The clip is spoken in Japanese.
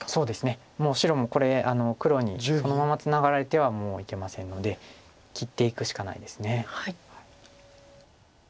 もう白もこれ黒にそのままツナがられてはいけませんので切っていくしかないです。